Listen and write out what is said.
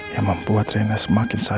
yang membuat rena semakin sayang